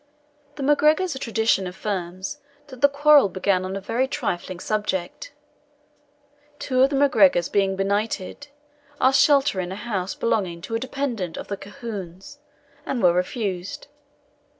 The MacGregors' tradition affirms that the quarrel began on a very trifling subject. Two of the MacGregors being benighted, asked shelter in a house belonging to a dependant of the Colquhouns, and were refused.